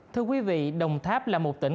thưa quý vị đồng tháp là một tỉnh